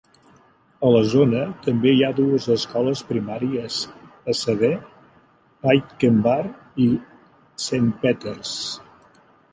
A la zona també hi ha dues escoles primàries, a saber, Aitkenbar i Saint Peter"s.